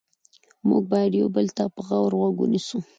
موږ باید یو بل ته په غور غوږ ونیسو